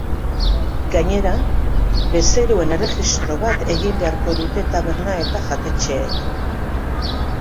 Gainera, bezeroen erregistro bat egin beharko dute taberna eta jatetxeek.